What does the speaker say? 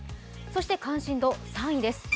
そして関心度３位です。